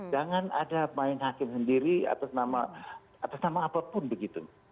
jangan ada main hakim sendiri atas nama apapun begitu